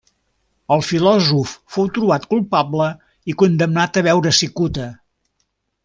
El filòsof fou trobat culpable i condemnat a beure cicuta.